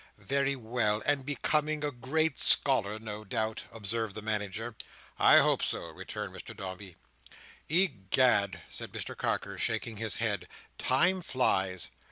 "Very well, and becoming a great scholar, no doubt?" observed the Manager. "I hope so," returned Mr Dombey. "Egad!" said Mr Carker, shaking his head, "Time flies!"